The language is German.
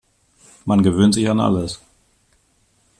Man gewöhnt sich an alles.